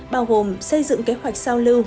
bao gồm xây dựng kế hoạch sao lưu